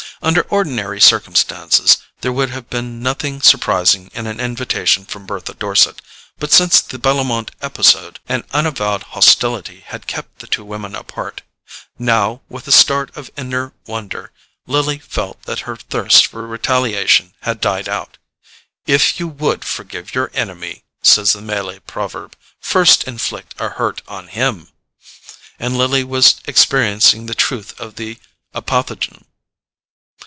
Under ordinary circumstances, there would have been nothing surprising in an invitation from Bertha Dorset; but since the Bellomont episode an unavowed hostility had kept the two women apart. Now, with a start of inner wonder, Lily felt that her thirst for retaliation had died out. IF YOU WOULD FORGIVE YOUR ENEMY, says the Malay proverb, FIRST INFLICT A HURT ON HIM; and Lily was experiencing the truth of the apothegm.